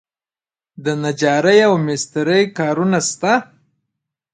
د نجارۍ او مسترۍ کارونه شته؟